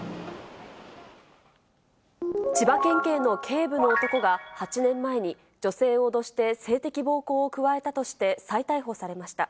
千葉県警の警部の男が、８年前に女性を脅して性的暴行を加えたとして再逮捕されました。